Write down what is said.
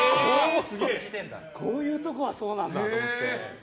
こういうところはそうなんだと思って。